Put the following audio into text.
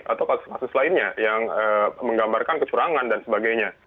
atau kasus kasus lainnya yang menggambarkan kecurangan dan sebagainya